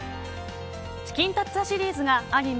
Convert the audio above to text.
チキンタツタシリーズがアニメ